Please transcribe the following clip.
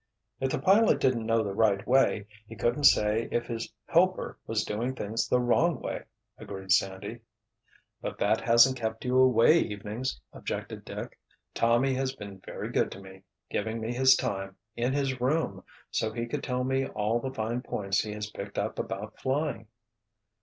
"If the pilot didn't know the right way he couldn't say if his helper was doing things the wrong way," agreed Sandy. "But that hasn't kept you away evenings," objected Dick. "Tommy has been very good to me, giving me his time, in his room, so he could tell me all the 'fine points' he has picked up about flying."